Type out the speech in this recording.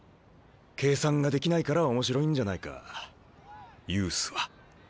計算ができないから面白いんじゃないかユースは。